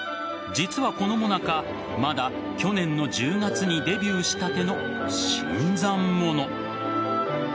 実はこのもなかまだ去年の１０月にデビューしたての新参者。